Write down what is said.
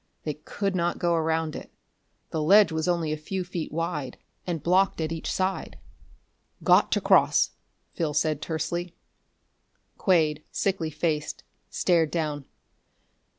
They could not go around it. The ledge was only a few feet wide, and blocked at each side. "Got to cross!" Phil said tersely. Quade, sickly faced, stared down.